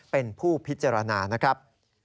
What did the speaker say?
เป็นผู้พิจารณานะครับ